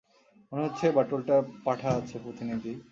মনে হচ্ছে বাটুল টার পাঠা আছে, প্রতিনিধি।